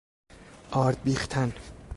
آرد بیختن